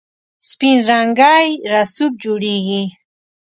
سپین رنګی رسوب جوړیږي.